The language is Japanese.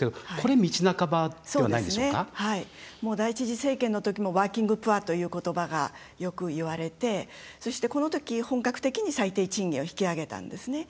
もう第１次政権のときもワーキングプアということばがよく言われてそして、このとき本格的に最低賃金を引き上げたんですね。